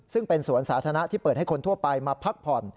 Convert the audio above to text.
ซึ่งเป็นสวนสาธารณะที่เปิดให้คนทั่วไปมาพักผ่อน